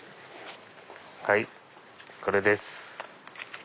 はいこれです。